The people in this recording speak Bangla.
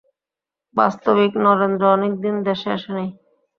বাস্তবিক নরেন্দ্র অনেক দিন দেশে আসে নাই।